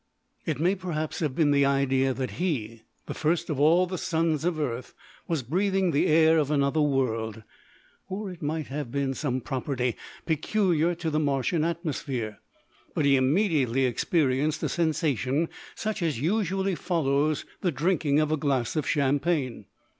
It may, perhaps, have been the idea that he, the first of all the sons of Earth, was breathing the air of another world, or it might have been some property peculiar to the Martian atmosphere, but he immediately experienced a sensation such as usually follows the drinking of a glass of champagne.